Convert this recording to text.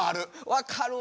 分かるわ。